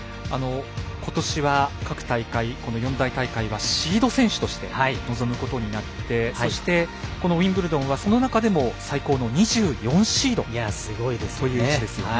今年は各大会、四大大会はシード選手として臨むことになってそして、ウィンブルドンはその中でも最高の２４シードという位置ですよね。